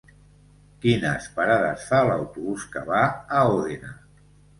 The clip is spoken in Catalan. Quines parades fa l'autobús que va a Òdena?